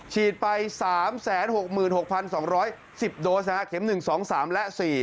ฉีดไป๓๖๖๒๑๐โดสเข็ม๑๒๓และ๔